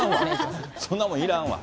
そんなもんいらんわ。